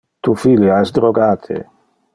Tu filia es drogate.